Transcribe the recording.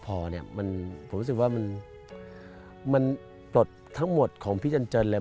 ผมจริงว่ามันปรดทั้งหมดของพี่เจนเจน